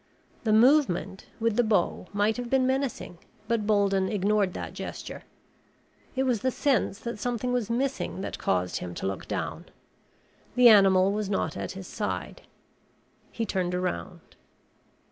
The movement with the bow might have been menacing, but Bolden ignored that gesture. It was the sense that something was missing that caused him to look down. The animal was not at his side. He turned around.